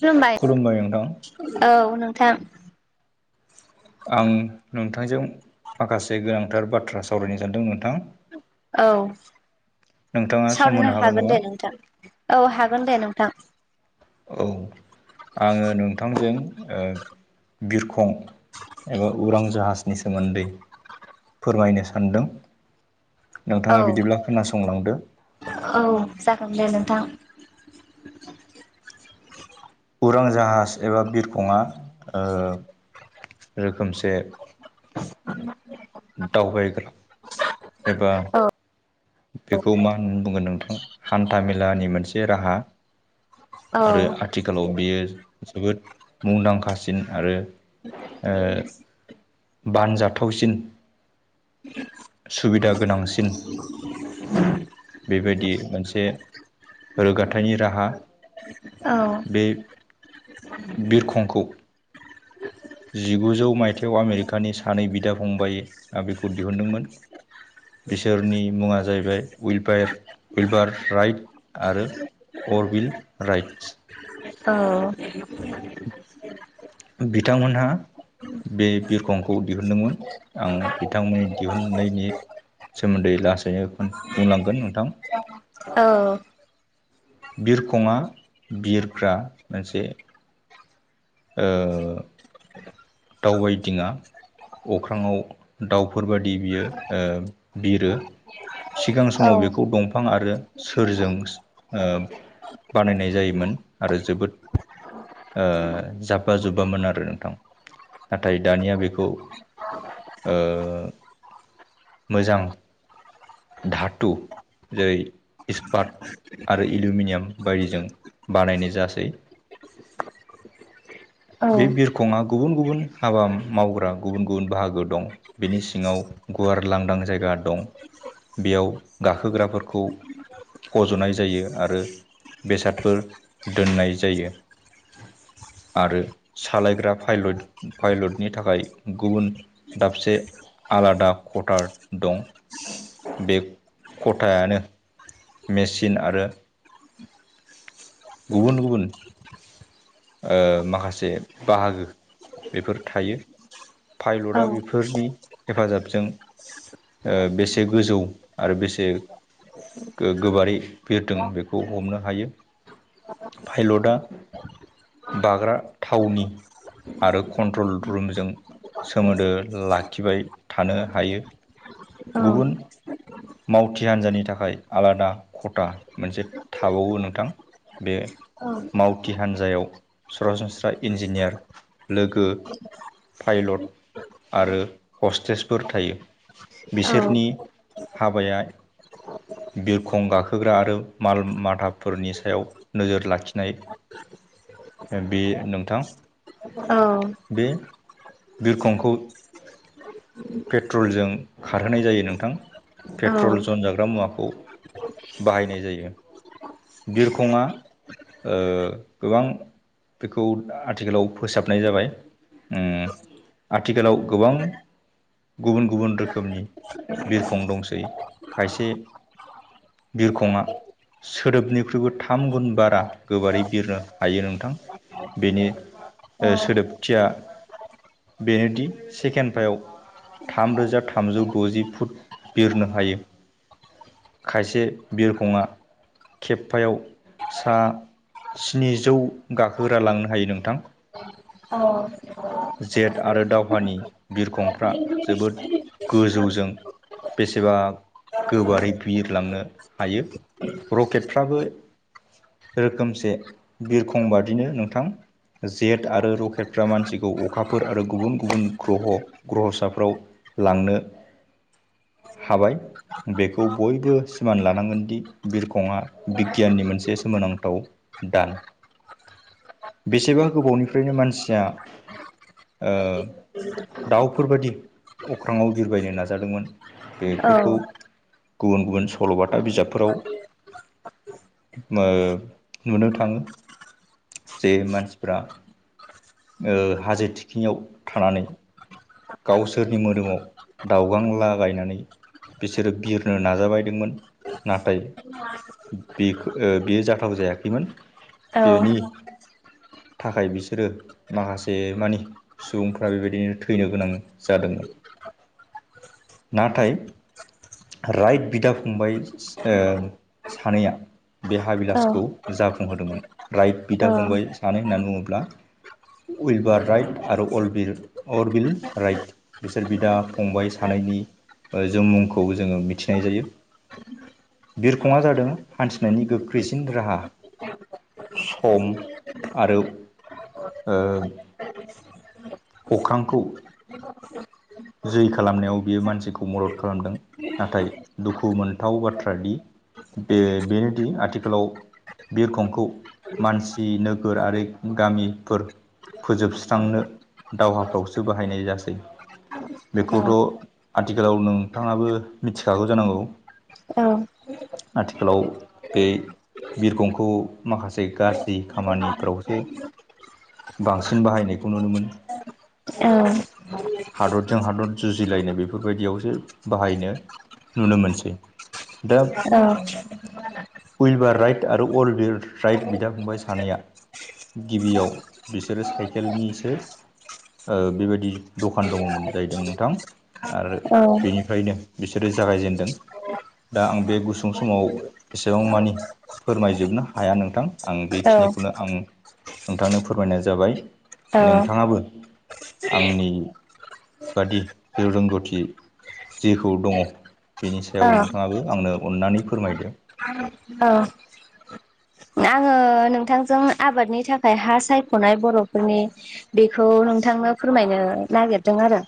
खुलुमबाय औ नोंथां आं नोंथांजों माखासे गोनांथार बाथ्रा सावरायनो सानदों नोंथां औ नोंथाङा सम होनो सावरायनो हागोन नामा दे नोंथां औ हागोन दे नोंथां औ आङो नोंथांजों ओ बिरखं एबा उरां जाहाजनि सोमोन्दै फोरमायनो सानदों। औ नोंथाङा बिदिब्ला खोनासंलांदो। औ जागोन दे नोंथां। उरां जाहाज एबा बिरखंङा ओ रोखोमसे [unintelligible] दावबायग्रा एबा औ बेखौ मा होननानै बुंगोन नोंथां हान्था मेलानि मोनसे राहा। औ आरो आ थिखालाव बियो जोबोद मुंदांखासिन आरो ओ बानजाथावसिन सुबिदा गोनांसिन [inaudible] बेबायदि मोनसे रोगाथाइनि राहा। औ। बे बिरखंखौ जिगुजौ माइथायाव आमेरिकानि सानै बिदा फंबाय आ बिखौ दिहुनदोंमोन। बिसोरनि मुङा जाहैबाय उइपायार उइलबार राइट आरो अरबिल राइट्स। औ। [inaudible] बिथांमोनहा बे बिरखंखौ दिहुनदोंमोन आं बिथांमोननि दिहुननायनि सोमोन्दै लासैनो खोन बुंलांगोन नोंथां। औ। बिरखंङा बिरग्रा मोनसे ओ दावबायदिङा अख्राङाव दाउफोरबादि बियो ओ बिरो। सिगां औ समाव बेखौ दंफां आरो सोरजों ओ बानायनाय जायोमोन आरो जोबोद ओ जाब्बा जुब्बामोन आरो नोंथां। नाथाय दानिया बेखौ ओ मोजां धाथु जेरै इसपात आरो एलुमिनियाम बायदिजों बानायनाय जासै। औ बे बिरखंआ गुबुन गुबुन हाबा मावग्रा गुबुन गुबुन बाहागो दं। बेनि सिङाव गुवार लांदां जायगा दं। बेयाव गाखोग्राफोरखौ फज'नाय जायो आरो बेसादफोर दोननाय जायो। आरो सालायग्रा पाइलट पाइलटनि थाखाय गुबुन दाबसे आलादा खटार दं। बे खथायानो मेचिन आरो गुबुन गुबुन ओ माखासे बाहागो बेफोर थायो औ पाइलटआ बेफोर फोरनि हेफाजाबजों ओ बेसे गोजौ आरो बेसे गो-गोबारै बिरदों बेखौ हमनो हायो। फाइलटआ बाग्रा थावनि आरो कन्ट्रल रुमजों सोमोन्दो लाखिबाय थानो हायो औ गुबुन मावथि हान्जानि थाखाय आलादा खथा मोनसे थाबावो नोंथां। बे मावथि हान्जायाव सरासनस्रा इन्जिनियार लोगो पाइलट आरो हस्टेसफोर थायो। औ बिसोरनि औ हाबाया बिरखं गाखोग्रा आरो माल माथाफोरनि सायाव नोजोर लाखिनाय बे नोंथां। औ। बे बिरखंखौ [inaudible] पेट्रलजों खारहोनाय जायो नोंथां। पेट्रल जनजाग्रा मुवाखौ बाहायनाय जायो। बिरखंआ ओ गोबां बेखौ आथिखालाव फोसाबनाय जाबाय। उम आथिखालाव गोबां गुबुन गुबुन रोखोमनि बिरख खं दंसै। खायसे बिरखङा सोदोबनिख्रुइबो थाम गुन बारा गोबारै बिरनो हायो नोंथां। बेनि ओ सोदोबथिया बेनोदि सेकेनफायाव थामरोजा थामजौ द'जि फुट बिरनो हायो। खायसे बिरखंआ खेबफायाव सा स्निजौ गाखोग्रा लांनो हायो नोंथां। [unintelligible] जेट आरो दावहानि बिरखंफ्रा जोबोद गोजौजों बेसेबा गोबारै बिरलांनो हायो। रकेटफ्राबो रोखोमसे बिरखंबादिनो नोंथां। जेट आरो रकेटफ्रा मानसिखौ अखाफोर आरो गुबुन गुबुन ग्रह ग्रहसाफ्राव लांनो हाबाय। बेखौ बयबो सिमान लानांगोनदि बिरखंआ बिगियाननि मोनसे सोमोनांथाव दान। बेसेबा गोबावनिफ्रायनो मानसिया ओ दाउफोरबादि अख्राङाव बिरबायनो नाजा जादोंमोन। बेफोरखौ गुबुन गुबुन सल'बाथा बिजाबफोराव ओ नुनो थाङो। जे मानसिफ्रा ओ हाजो थिखिनियाव थानानै गावसोरनि मोदोमाव दावगां लागायनानै बिसोरो बिरनो नाजाबायदोंमोन नाथाय बे बेयो जाथाव जायाखैमोन। बेनि थाखाय बिसोरो माखासे मानि सुबुंफ्रा बेबायदिनो थैनो गोनां जादोंमोन नाथाय राइट बिदा फंबाय ओ सानैया बे हाबिलासखौ जाफुंहोदोंमोन राइट बिदा फंबाय सानै होननानै बुङोब्ला उइल बार राइट आरो अल अर बिल राइट बिसोर बिदा फंबाय सानैनि ज मुंखौ जोङो मिथिनाय जायो बिरखंआ जादों हान्थिनायनि गोख्रैसिन राहा सम आरो ओ [inaudible] अख्रांखौ [inaudible] जै खालामनायाव बियो मानसिखौ मदद खालामदों नाथाय दुखु मोनथाव बाथ्रा दि बे बेनोदि आथिखालाव बिरखंखौ मानसि नोगोर आरो गामिफोर फोजोबस्रांनो दावहाफ्रावसो बाहायनाय जासै। बेखौथ' आथिखालाव नोंथाङाबो मिथिखागौ जानांगौ औ आथिखालाव बे बिरखंखौ माखासे गाज्रि खामानिफ्रावसो। बांसिन बाहायनायखौ नुनो मोनो हादर जों हादर जुजिलायनाय बेफोरबायदियावसो बाहायनो नुनो मोनसै। दोम। उइलबार राइट आरो अल वार राइट बिदा फंबाय सानैया। गिबियाव बिसोरो साइकेलनिसो। बेबायदि दखान दङमोन जाहैदों नोंथां आरो बेनि ओ्रनो बिसोरो जागायजेनदों। दा आं बे गुसुं समाव एसेबां मानि फोरमायजोबनो हाया नोंथां। आं बेखिनिखौनो आं नोंथांनो फोरमायनाय जाबाय नोंथाङाबो। आंनि बादिे रोंगौथि जेखौ दङ बेनि औ सायाव नोंथाङाबो। आंनो अन्नानै फोरमायदों। औ। आङो नोंथांजों आबादनि थाखाय हा सायख'नाय बर'फोरनि बेखौ नोंथांनो फोरमायनो नागिरदों आरो।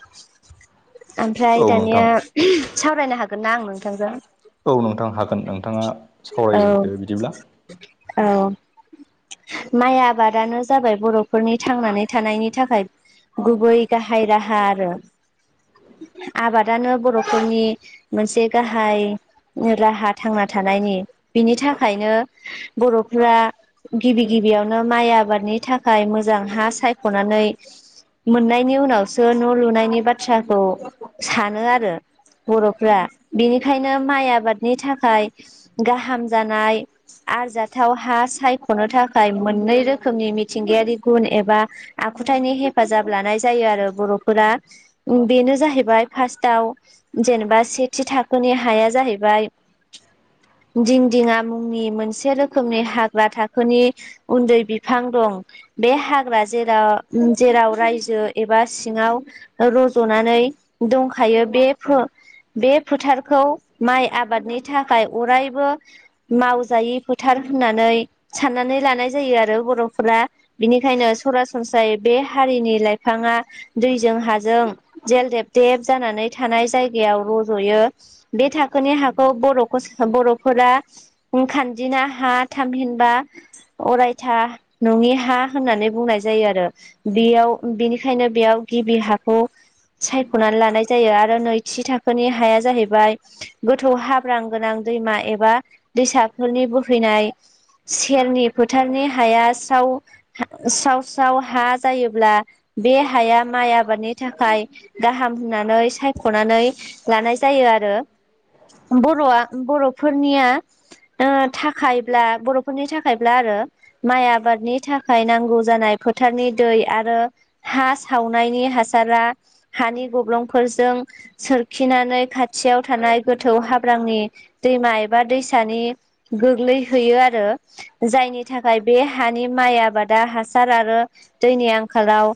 ओमफ्राय औ दानिया नोंथां सावरायनो हागोन ना आं नोंथांजों। औ नोंथां हागोन नोंथाङा औ सावरायदो बिदिब्ला औ। माइ आबादानो जाबाय बर'फोरनि थांनानै थानायनि थाखाय गुबै गाहाय राहा आरो। आबादानो बर'फोरनि मोनसे गाहाय राहा थांना थानायनि बिनि थाखायनो बर'फोरा। गिबि गिबियावनो माइ आबादनि थाखाय मोजां हा सायख'नानै मोननायनि उनावसो न' लुनायनि बाथ्राखौ सानो आरो। बर'फ्रा बेनिखायनो माइ आबादनि थाखाय। गाहाम जानाय आरजाथाव हा साय। ख'नो थाखाय मोननै रोखोमनि मिथिंगायारि गुन एबा आखुथायाइनि हेफाजाब लानाय जायो आरो बर'फोरा बेनो जाहैबाय फार्स्टाव। जेनेबा सेथि थाखोनि हाया जाहैबाय दिं दिंङा मुंनि मोनसे रोखोमनि हाग्रा थाख फोरनि उन्दै बिफां दं। बे हाग्रा जेरा ओम जेराव रायजो एबा सिङाव रज'नानै दंखायो बे फ्र बे फोथारखौ माइ आबादनि थाखाय अरायबो मावजायि फोथार होननानै साननानै लानाय जायो आरो बर'फ्रा। बिनिखायनो सरासनस्रायै बे हारिनि लाइफाङा दैजों हाजों जेलदेबदेब जानानै थानाय जायगायाव रज'यो बे थाखोनि हाखौ बर'खौ बर'फोरा खानजिना हा थामहिनबा अरायथा नङनि हा होननानै बुंनाय जायो आरो। बेयाव बिनिखायनो बेयाव गिबि हाखौ सायख'नानै लानाय जायो आरो नैथि थाखोनि हाया जाहैबाय गोथौ हाब्रां गोनां दैमा एबा दैसाफोरनि बोहैनाय सेरनि फोथारनि हाया साव स्राव स्राव हा जायोब्ला बे हाया माइ आबादनि थाखाय गाहाम होननानै सायख'नानै लानाय जायो आरो बर'आ बर'फोरनिया ओ थाखायब्ला बर' फोरनि थाखायब्ला आरो माइ आबादनि थाखाय नांगौ जानाय फोथारनि दै आरो हा सावनायनि हासारा हानि गब्लंफोरजों सोरखिनानै खाथियाव थानाय गोथौ हाब्रांनि दैमा एबा दैसानि गोग्लैहैयो आरो जायनि थाखाय बे हानि माइ आबादा हासार आरो दैनि आंखालाव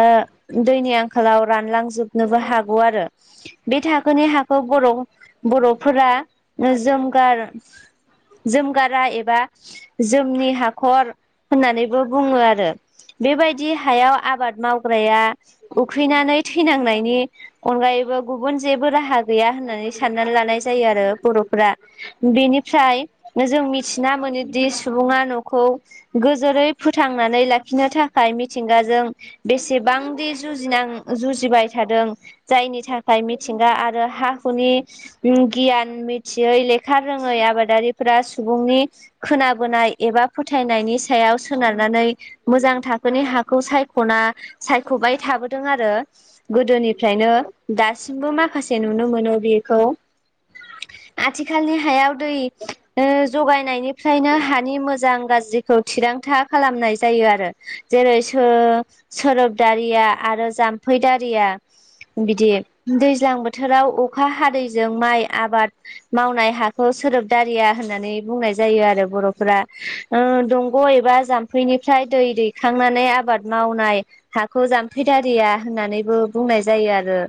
ओ दैनि आंखालाव रानलांजोबनोबो हागौ आरो बे थाखोनि हाखौ बर' बर'फोरा जोमगार जोमगारा एबा जोमनि हाखर होननानैबो बुङो आरो बेबायदि हायाव आबाद मावग्राया उखैनानै थैनांनायनि अनगायैबो गुबुन जेबो राहा गैया होननानै साननानै लानाय जायो आरो बर'फ्रा बिनिफ्राय जों मिथिना मोनोदि सुबुङा न'खौ गोजोरै फोथांनानै लाखिनो थाखाय मिथिंगाजों बेसेबांदि जुजिनां जुजिबाय थादों जायनि थाखाय मिथिंगा आरो हा हुनि ओम गियान मिथियै लेखा रोङै आबादारिफोरा सुबुंनि खोनाबोनाय एबा फोथायनायनि सायाव सोनारनानै मोजां थाखोनि हाखौ सायख'ना सायख'बाय थाबोदों आरो गोदोनिफ्रायनो दासिमबो माखासे नुनो मोनो बेखौ आथिखालनि हायाव दै ओ जगायनायनि फ्रायनो हानि मोजां गाज्रिखौ थिरांथा खालामनाय जायो आरो जेरै सो सोरोबदारिया आरो जाम्फैदारिया बिदि दैज्लां बोथोराव अखा हादैजों माइ आबाद मावनाय हाखौ सोदोबदारिया होननानै बुंनाय जायो आरो बर'फोरा ओ दंग' एबा जाम्फैनिफ्राय दै दैखांनानै आबाद मावनाय हाखौ जामफैदारिया होननानैबो बुंनाय जायो आरो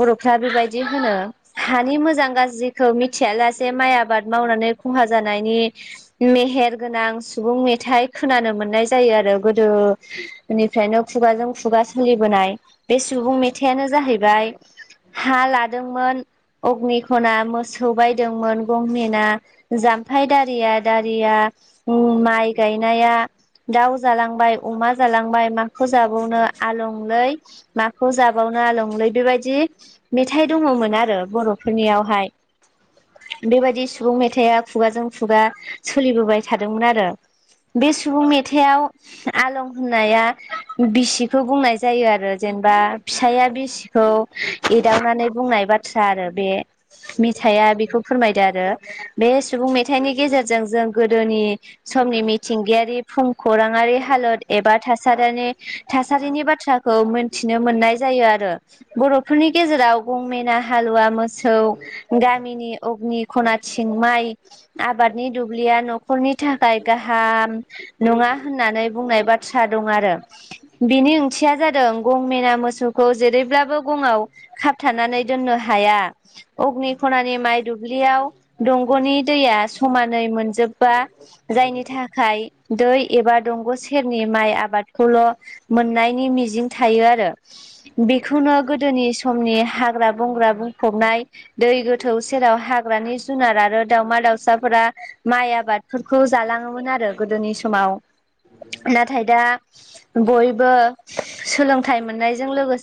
बर'फ्रा बेबायदि होनो हानि मोजां गाज्रिखौ मिथिया लासे माइ आबाद मावनानै खहा जानायनि मेहेर गोनां सुबुं मेथाइ खोनानो मोननाय जायो आरो गोदो बेनिफ्रायनो खुगाजों खुगा सोलिबोनाय बे सुबुं मेथाइयानो जाहैबाय हा लादोंमोन अग्निखना मोसौ बायदोंमोन गंमेना जाम्फाइ दारिया दारिया उ माइ गायनाया दाउ जालांबाय अमा जालांबाय माखौ जाबावनो आलंलै माखौ जाबावनो आलं [unintelligible] बेबायदि मेथाइ दङ'मोन आरो बर'फोरनियावहाय बेबायदि सुबुं मेथाइआ खुगाजों खुगा सोलिबोबाय थादोंमोन आरो बे सुबुं मेथाइआव आलं होननाया बिसिखौ बुंनाय जायो आरो जेनेबा फिसाया बिसि खौ एदावनानै बुंनाय बाथ्रा आरो बे मिथाइआ बेखौ फोरमायदो आरो बे सुबुं मेथाइनि गेजेरजों जों गोदोनि समनि मिथिंगायारि भुमखौराङारि हालोद एबा थासारिनि थासारिनि बाथ्राखौ मोन्थिनो मोननाय जायो आरो बर'फोरनि गेजेराव गंमेना हालुवा मोसौ गामिनि अग्नि खनाथिं माइ आबादनि दुब्लिया न'खरनि थाखाय गाहाम नङा होननानै बुंनाय बाथ्रा दं आरो बिनि ओंथिया जादों गं मेना मोसौखौ जेरैब्लाबो गङाव खाब थानानै दोननो हाया अग्नि खनानि माइ दुब्लियाव दंग'नि दैया समानै मोनजोबबा जायनि थाखाय दै एबा दंग' सेरनि माइ आबादखौल' मोननायनि मिजिं थायो आरो बेखौनो गोदोनि समनि हाग्रा बंग्रा बुंफबनाय दै गोथौ सेराव हाग्रानि जुनार आरो दाावमा दाउसाफोरा माइ आबादफोरखौ जालाङोमोन आरो गोदोनि समाव नाथाय दा बयबो सोलोंथाइ मोननायजों लोगोस